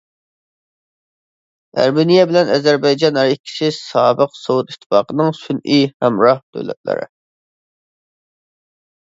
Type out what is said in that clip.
ئەرمېنىيە بىلەن ئەزەربەيجان ھەر ئىككىسى سابىق سوۋېت ئىتتىپاقىنىڭ سۈنئىي ھەمراھ دۆلەتلىرى.